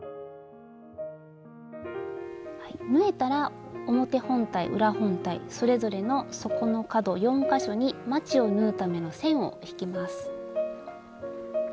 縫えたら表本体裏本体それぞれの底の角４か所にまちを縫うための線を引きます。